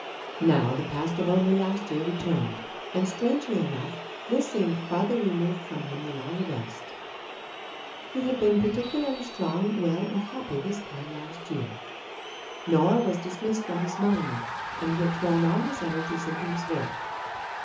Now, the past of only last year returned, and, strangely enough, this seemed farther removed from him than all the rest. He had been particularly strong, well, and happy this time last year. Nora was dismissed from his mind, and he had thrown all his energies into his work.